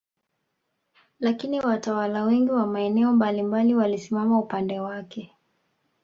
Lakini watawala wengi wa maeneo mbalimbali walisimama upande wake